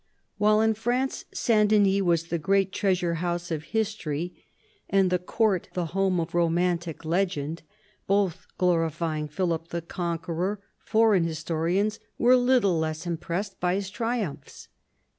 While in France S. Denys was the great treasure house of history, and the court the home of romantic legend, both glorifying Philip the Conqueror, foreign historians were little less impressed by his triumphs.